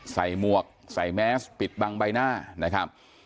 ใส่มวกใส่แมซปิดบังใบหน้า